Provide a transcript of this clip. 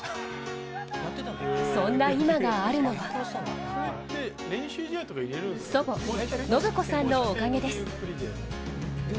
そんな今があるのは祖母・信子さんのおかげです。